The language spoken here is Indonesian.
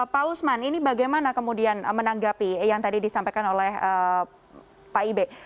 pak usman ini bagaimana kemudian menanggapi yang tadi disampaikan oleh pak ibe